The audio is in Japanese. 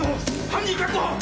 犯人確保！